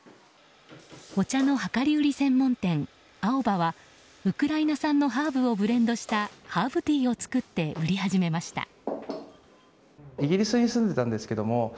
お茶の量り売り専門店ＡＯＢＡはウクライナ産のハーブをブレンドしたハーブティーを作って売り始めました。